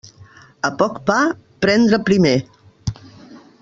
A poc pa, prendre primer.